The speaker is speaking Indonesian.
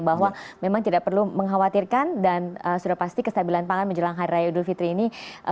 bahwa memang tidak perlu mengkhawatirkan dan sudah pasti kestabilan pangan menjelang hari raya idul fitri ini